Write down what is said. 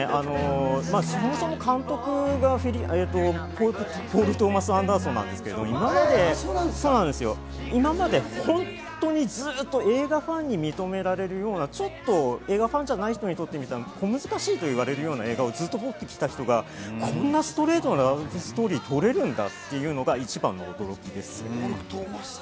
そもそも監督がポール・トーマス・アンダーソンなんですけど、今まで本当にずっと映画ファンに認められるような、ちょっと映画ファンじゃない人にとってみたら、小難しいといわれる映画をずっと撮ってきた人がこんなストレートなラブストーリー撮れるんだっていうのが一番の驚きです。